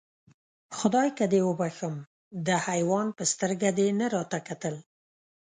خدایکه دې وبښم، د حیوان په سترګه دې نه راته کتل.